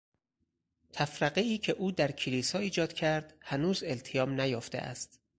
تفرقهای که او در کلیسا ایجاد کرد هنوز التیام نیافته است.